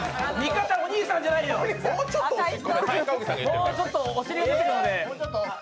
もうちょっと、お尻が出てるので。